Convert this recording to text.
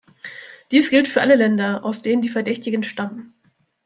Dies gilt für alle Länder, aus denen die Verdächtigen stammen.